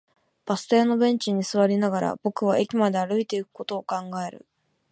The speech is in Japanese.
バス停のベンチに座りながら、僕は駅まで歩いていくことを考える